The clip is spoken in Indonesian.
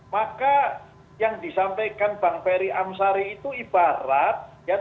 maka yang disampaikan bang ferry amsari itu ibarat